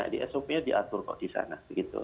jadi sop nya diatur kok di sana